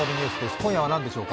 今夜は何でしょうか？